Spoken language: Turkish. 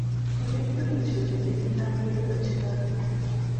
Projektörün ışığında cebimden bir lira çıkardım.